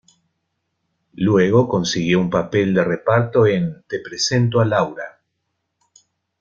Luego consiguió un papel de reparto en "Te presento a Laura".